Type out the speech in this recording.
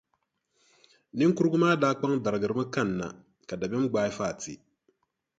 Niŋkurugu maa daa kpaŋ darigirimi kanna, ka dabiɛm gbaai Fati.